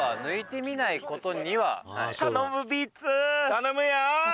頼むよ。